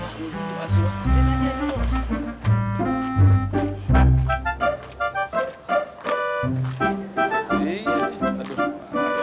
assalamu'alaikum pak haji